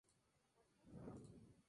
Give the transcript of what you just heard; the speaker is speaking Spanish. Entrena en el Real Club Tenis Barcelona.